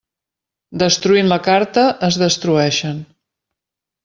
Destruint la carta, es destrueixen.